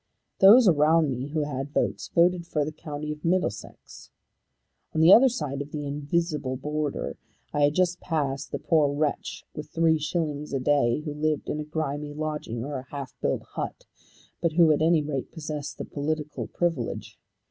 Those around me, who had votes, voted for the County of Middlesex. On the other side of the invisible border I had just past the poor wretch with 3_s._ a day who lived in a grimy lodging or a half built hut, but who at any rate possessed the political privilege.